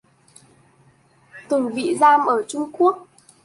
Từ bị giam ở Trung Quốc